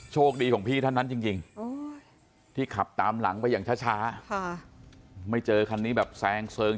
โชคดีของพี่ท่านนั้นจริงที่ขับตามหลังไปอย่างช้าไม่เจอคันนี้แบบแซงเซิง